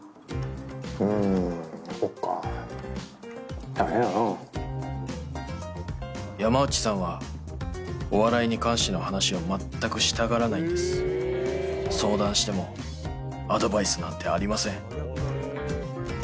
うんそっか大変やな山内さんはお笑いに関しての話は全くしたがらないんです相談してもアドバイスなんてありません